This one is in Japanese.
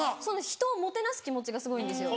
人をもてなす気持ちがすごいんですよ。